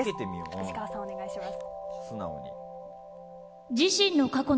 石川さん、お願いします。